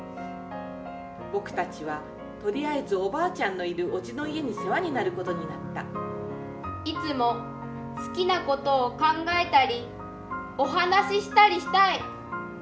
僕たちはとりあえずおばあちゃんのいるおじの家に世話になることになったいつも好きなことを考えたりお話ししたりしたい。